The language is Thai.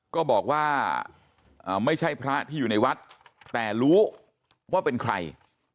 ก็บอกว่าไม่ใช่พระที่อยู่ในวัดแต่รู้ว่าเป็นใคร